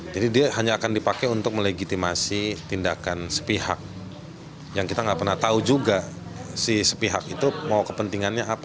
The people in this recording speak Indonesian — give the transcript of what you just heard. jadi dia hanya akan dipakai untuk melegitimasi tindakan sepihak yang kita nggak pernah tahu juga si sepihak itu kepentingannya apa